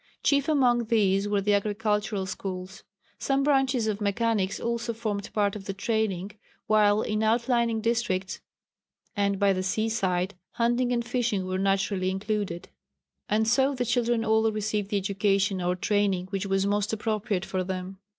Chief among these were the agricultural schools. Some branches of mechanics also formed part of the training, while in outlying districts and by the sea side hunting and fishing were naturally included. And so the children all received the education or training which was most appropriate for them.